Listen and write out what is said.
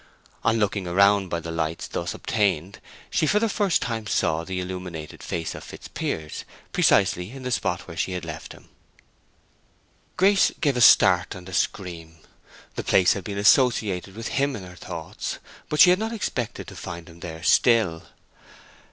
On looking around by the light thus obtained she for the first time saw the illumined face of Fitzpiers, precisely in the spot where she had left him. Grace gave a start and a scream: the place had been associated with him in her thoughts, but she had not expected to find him there still.